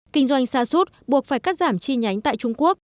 kinh doanh xa suốt buộc phải cắt giảm chi nhánh tại trung quốc